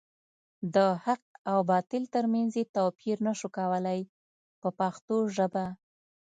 د حق او باطل تر منځ یې توپیر نشو کولای په پښتو ژبه.